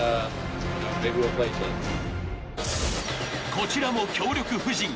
こちらも強力布陣